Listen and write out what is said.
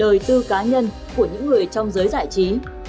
đời tư cá nhân của những người trong giới giải trí